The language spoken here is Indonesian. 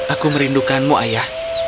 aku merindukanmu ayah